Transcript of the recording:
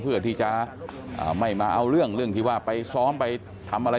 เพื่อที่จะไม่มาเอาเรื่องเรื่องที่ว่าไปซ้อมไปทำอะไร